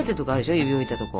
指を置いたところ。